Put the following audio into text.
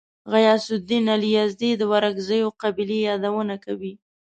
غیاث الدین علي یزدي د ورکزیو قبیلې یادونه کوي.